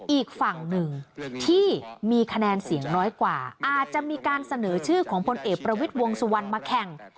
อีกฝั่งหนึ่งที่มีคะแนนเสียงน้อยกว่าอาจจะมีการเสนอชื่อของพลเอกประวิทย์วงสุวรรณมาแข่ง